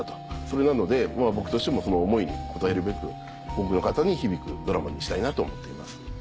それなので僕としてもその思いに応えるべく多くの方に響くドラマにしたいなと思っています。